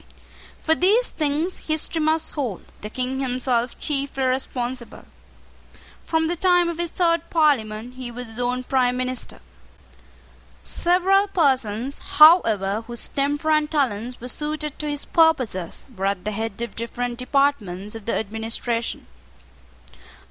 For these things history must hold the King himself chiefly responsible. From the time of his third Parliament he was his own prime minister. Several persons, however, whose temper and talents were suited to his purposes, were at the head of different departments of the administration.